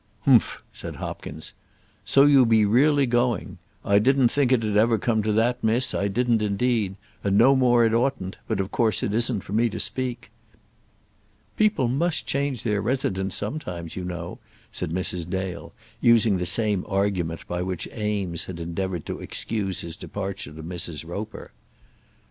"Humph!" said Hopkins. "So you be really going! I didn't think it'd ever come to that, miss; I didn't indeed, and no more it oughtn't; but of course it isn't for me to speak." "People must change their residence sometimes, you know," said Mrs. Dale, using the same argument by which Eames had endeavoured to excuse his departure to Mrs. Roper.